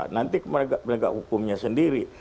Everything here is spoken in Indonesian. nanti penegak hukumnya sendiri